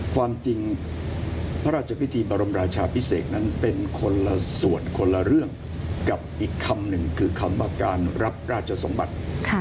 ความจริงพระราชพิธีบรมราชาพิเศษนั้นเป็นคนละส่วนคนละเรื่องกับอีกคำหนึ่งคือคำว่าการรับราชสมบัติ